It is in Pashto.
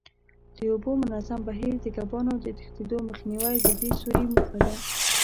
د اوبو منظم بهیر، د کبانو د تښتېدو مخنیوی د دې سوري موخه ده.